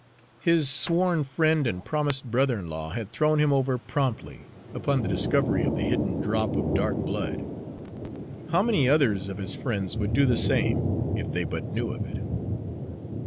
His sworn friend and promised brother in law had thrown him over promptly, upon the discovery of the hidden drop of dark blood. How many others of his friends would do the same, if they but knew of it?